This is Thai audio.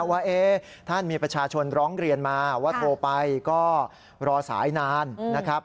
ว่าท่านมีประชาชนร้องเรียนมาว่าโทรไปก็รอสายนานนะครับ